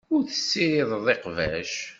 Ur tessirideḍ iqbac.